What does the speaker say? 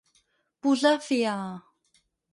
Posar fi a.